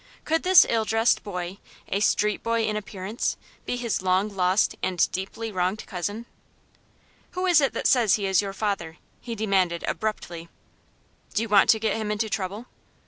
Could this ill dressed boy a street boy in appearance be his long lost and deeply wronged cousin? "Who is it that says he is your father?" he demanded, abruptly. "Do you want to get him into trouble?"